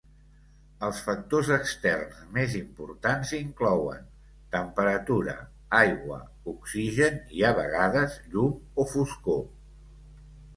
Els factors externs més importants inclouen: temperatura, aigua, oxigen i a vegades llum o foscor.